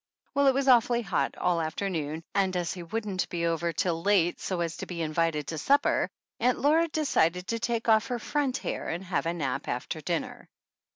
Well, it was awfully hot all the afternoon, and, as he wouldn't be over till late so as to be invited to supper, Aunt Laura decided to take off her front hair and have a nap after dinner.